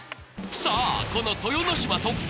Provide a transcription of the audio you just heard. さあ、この豊ノ島特製